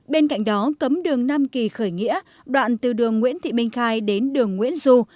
bên cạnh đó cấm đường nam kỳ khởi nghĩa đoạn từ đường nguyễn thị minh khai đến đường nguyễn du